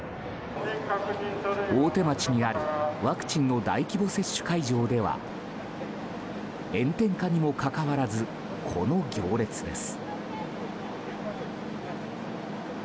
大手町にあるワクチンの大規模接種会場では炎天下にもかかわらずこの行列です。